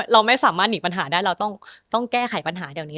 เราไม่สามารถหนีปัญหาได้เราต้องแก้ไขปัญหาเดี๋ยวนี้